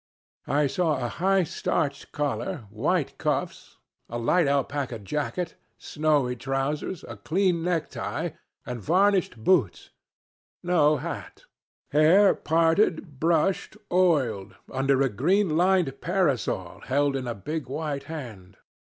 I saw a high starched collar, white cuffs, a light alpaca jacket, snowy trousers, a clear necktie, and varnished boots. No hat. Hair parted, brushed, oiled, under a green lined parasol held in a big white hand.